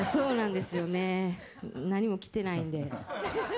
何も着てないんで。